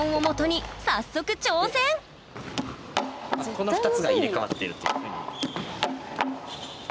この２つが入れ代わってるっていうふうに。